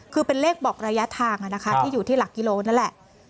คือเป็นเลขบอกระยะทางที่อยู่ที่หลักกิโลนั่นแหละ